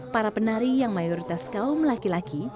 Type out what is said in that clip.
para penari yang mayoritas kaum laki laki